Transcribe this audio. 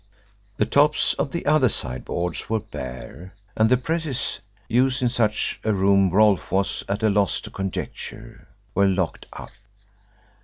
The tops of the other sideboards were bare, and the presses, use in such a room Rolfe was at a loss to conjecture, were locked up.